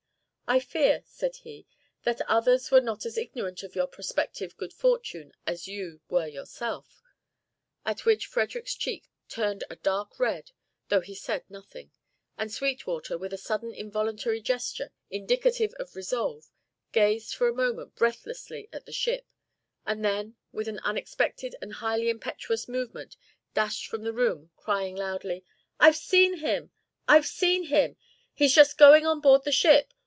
"I fear," said he, "that others were not as ignorant of your prospective good fortune as you were yourself," at which Frederick's cheek turned a dark red, though he said nothing, and Sweetwater, with a sudden involuntary gesture indicative of resolve, gazed for a moment breathlessly at the ship, and then with an unexpected and highly impetuous movement dashed from the room crying loudly: "I've seen him! I've seen him! he's just going on board the ship.